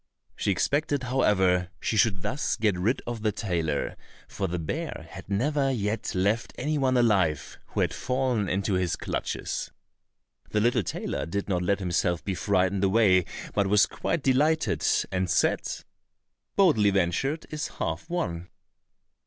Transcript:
She expected, however, she should thus get rid of the tailor, for the bear had never yet left any one alive who had fallen into his clutches. The little tailor did not let himself be frightened away, but was quite delighted, and said, "Boldly ventured is half won."